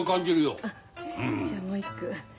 じゃあもう一句。